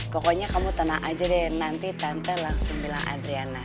pokoknya kamu tenang aja deh nanti tante langsung bilang adriana